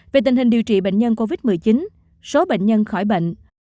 về tình hình điều trị bệnh nhân covid một mươi chín số bệnh nhân khỏi bệnh